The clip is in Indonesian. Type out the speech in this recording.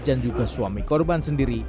dan juga suami korban sendiri